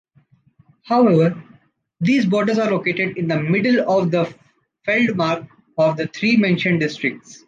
However, these borders are located in the middle of the Feldmark of the three mentioned districts.